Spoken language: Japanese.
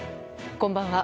こんばんは。